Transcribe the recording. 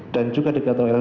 dan juga dikatakan oleh